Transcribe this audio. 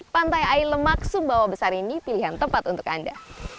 pantai alemak sumbawa besar ini pilihan tempat untuk anda